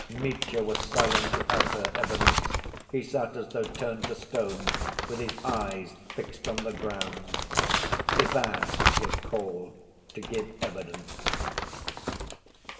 Mitya was silent throughout her evidence. He sat as though turned to stone, with his eyes fixed on the ground. Ivan was called to give evidence.